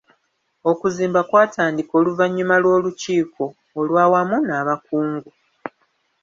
Okuzimba kwatandika oluvannyuma lw'olukiiko olw'awamu n'abakungu.